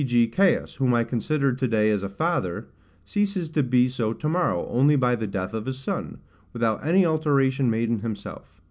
g. Caius, whom I consider to day as a father, ceases to be so to morrow, only by the death of his son, without any alteration made in himself.